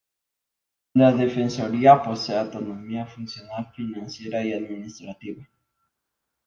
La defensoría posee autonomía funcional, financiera y administrativa.